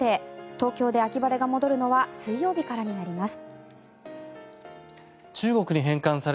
東京で秋晴れが戻るのは水曜日からになります。